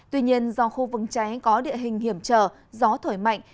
tuy nhiên do khu vực cháy có địa hình hiểm trở gió thổi mạnh